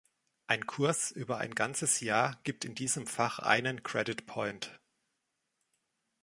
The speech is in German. Ein Kurs über ein ganzes Jahr gibt in diesem Fach einen Credit-Point.